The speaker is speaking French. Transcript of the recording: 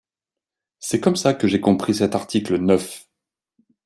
C’est comme ça que j’ai compris cet article neuf.